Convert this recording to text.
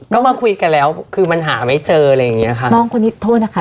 ก็มาคุยกันแล้วคือมันหาไม่เจออะไรอย่างเงี้ยค่ะน้องคนนี้โทษนะคะ